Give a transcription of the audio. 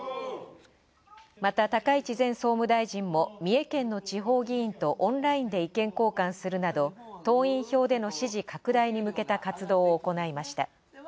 また、高市前総務大臣も三重県の地方議員とオンラインで意見交換するなど党員票での支持拡大に向けた活動を行いました。